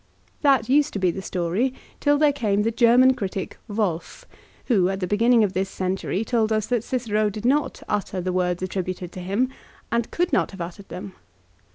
That used to be the story till there came the German critic Wolf, who at the beginning of this century told us that Cicero did not utter the words attributed to him and could not have uttered them.